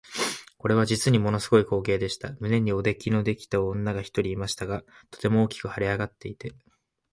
これは実にもの凄い光景でした。胸におできのできた女が一人いましたが、とても大きく脹れ上っていて、